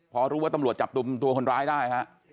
พอรู้ว่าตำรวจจับตัวคนร้ายได้ค่ะ